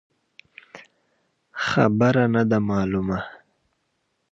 خبره نه ده مالونه.